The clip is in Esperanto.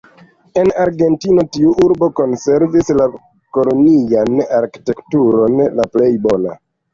En Argentino tiu urbo konservis la kolonian arkitekturon la plej bona.